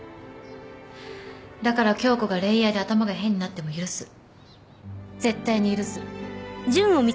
だから響子が恋愛で頭が変になっても許す絶対に許す。